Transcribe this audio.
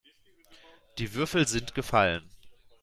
Die Würfel sind gefallen.